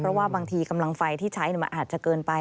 เพราะว่าบางทีกำลังไฟที่ใช้มันอาจจะเกินไป